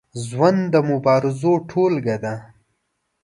ژوند د مبارزو ټولګه ده.